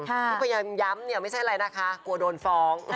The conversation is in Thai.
เพราะก็ยังย้ำไม่ใช่อะไรนะคะกลัวโดนฟ้อง